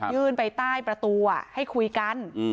ยื่นไปใต้ประตูให้คุยกัน